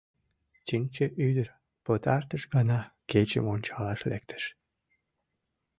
Чинче ӱдыр пытартыш гана кечым ончалаш лектеш.